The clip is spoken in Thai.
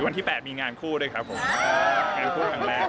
วันที่แปดมีงานคู่ด้วยครับผมงานคู่ครั้งแรก